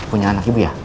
punya anak ibu ya